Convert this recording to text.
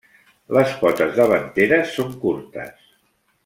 Les potes davanteres són curtes.